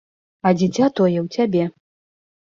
А дзіця тое ў цябе!